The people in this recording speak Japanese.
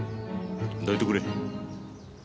どいてくれ。